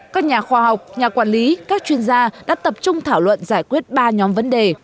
các nhà khoa học nhà quản lý các chuyên gia đã tập trung thảo luận giải quyết ba nhóm vấn đề